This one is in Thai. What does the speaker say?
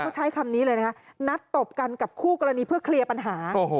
เขาใช้คำนี้เลยนะคะนัดตบกันกับคู่กรณีเพื่อเคลียร์ปัญหา